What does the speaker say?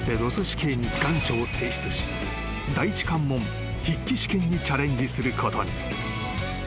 市警に願書を提出し第１関門筆記試験にチャレンジすることに］